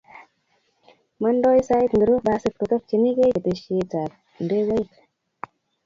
Mandoi sait ngiro basit kotakchinikei keteshiet ab ndekoik?